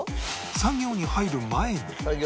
作業に入る前に